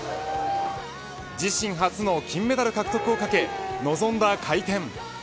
自身初の金メダル獲得をかけ臨んだ回転。